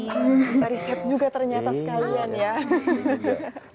bisa riset juga ternyata sekalian ya